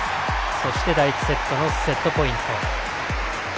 そして第１セットのセットポイント。